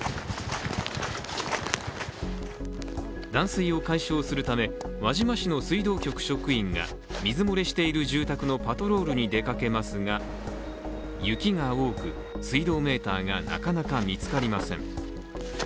断水を解消するため、輪島市の水道局職員が水漏れしている住宅のパトロールに出かけますが、雪が多く水道メーターがなかなか見つかりません。